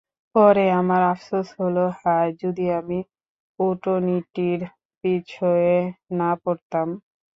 পরে আমার আফসোস হলো—হায়, যদি আমি উটনীটির পিছে না পড়তাম।